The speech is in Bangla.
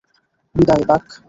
বিদায়, বাক!